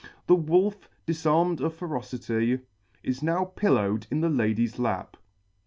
The [ 2 ] The Wolf, difarmed of ferocity, is now pillow ed in the lady's lap*.